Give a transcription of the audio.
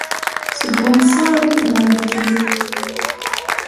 Seg wansa ara d-nεeddi.